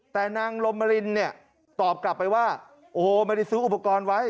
แต่นางลมรินเนี่ยตอบกลับไปว่าโอ้โหไม่ได้ซื้ออุปกรณ์ไว้